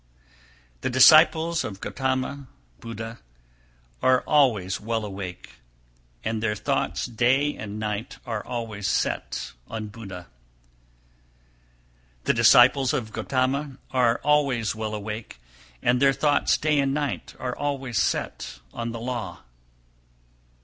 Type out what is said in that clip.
296. The disciples of Gotama (Buddha) are always well awake, and their thoughts day and night are always set on Buddha. 297. The disciples of Gotama are always well awake, and their thoughts day and night are always set on the law.